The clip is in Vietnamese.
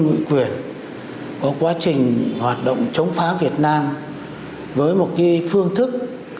ngụy quyền có quá trình hoạt động chống phá việt nam với một phương thức